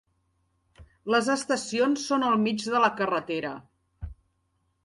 Les estacions són al mig de la carretera.